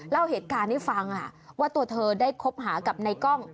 เล่าเหตุการณ์ให้ฟังว่าตัวเธอได้คบหากับในกล้อง